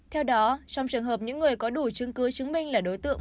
theo đó trong trường hợp những người có đủ chứng cứ chứng minh là đối tượng